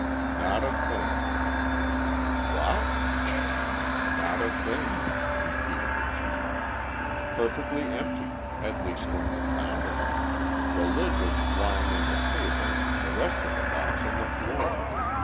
"Not a thing!" "What?" "Not a thing!" repeated the chief. "Perfectly empty at least when we found it. The lid was lying on the table, the rest of the box on the floor.